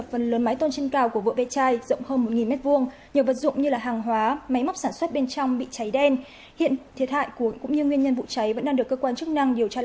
xin chào các bạn